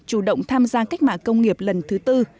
chủ động tham gia cách mạng công nghiệp lần thứ tư